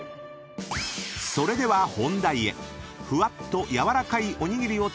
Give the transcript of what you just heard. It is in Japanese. ［それでは本題へ］